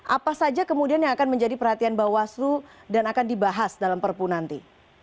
apa saja kemudian yang akan menjadi perhatian bawaslu dan akan dibahas dalam perpu nanti